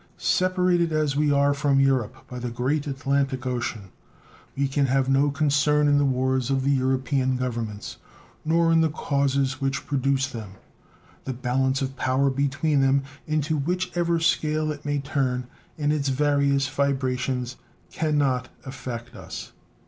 Separated as we are from Europe by the great Atlantic Ocean, we can have no concern in the wars of the European Governments nor in the causes which produce them. The balance of power between them, into whichever scale it may turn in its various vibrations, can not affect us.